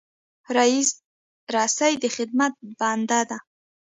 رسۍ د خدمت بنده ده.